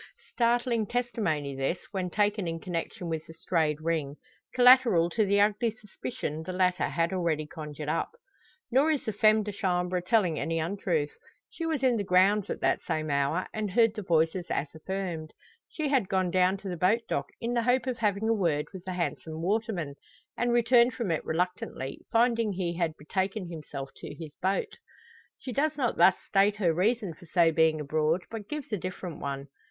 Startling testimony this, when taken in connection with the strayed ring: collateral to the ugly suspicion the latter had already conjured up. Nor is the femme de chambre telling any untruth. She was in the grounds at that same hour, and heard the voices as affirmed. She had gone down to the boat dock in the hope of having a word with the handsome waterman; and returned from it reluctantly, finding he had betaken himself to his boat. She does not thus state her reason for so being abroad, but gives a different one.